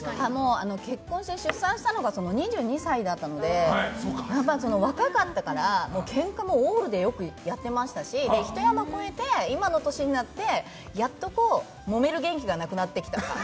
結婚して出産したのが２２歳だったので若かったから、ケンカもオールでよくやってましたしひと山越えて今の年になってやっともめる元気がなくなってきた。